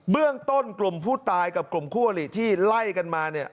เรื่องต้นกลุ่มผู้ตายกับกลุ่มคู่อลิที่ไล่กันมาเนี่ย